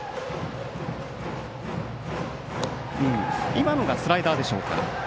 今のがスライダーでしょうか。